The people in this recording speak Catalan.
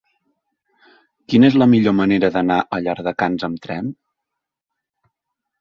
Quina és la millor manera d'anar a Llardecans amb tren?